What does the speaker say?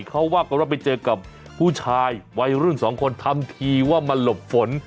เขาว่ากันว่าไปเจอกับผู้ชายวัยรุ่นสองคนทำทีว่ามาหลบฝน